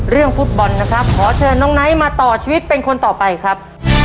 เรื่องฟุตบอลนะครับขอเชิญน้องไนท์มาต่อชีวิตเป็นคนต่อไปครับ